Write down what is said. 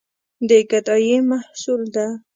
د ګدايي محصول ده.